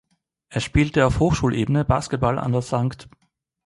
Er spielte auf Hochschulebene Basketball an der St.